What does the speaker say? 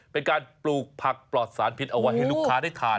เป็นการปลูกผักปลอดสารพิษเอาไว้ให้ลูกค้าได้ทาน